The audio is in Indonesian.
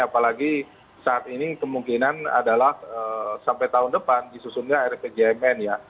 apalagi saat ini kemungkinan adalah sampai tahun depan disusunnya rpjmn ya